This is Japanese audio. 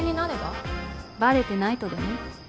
バレてないとでも？